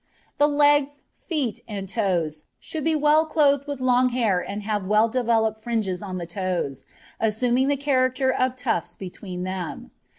The legs, feet, and toes should be well clothed with long hair and have well developed fringes on the toes, assuming the character of tufts between them.